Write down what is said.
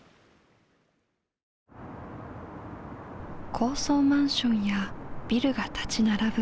高層マンションやビルが立ち並ぶ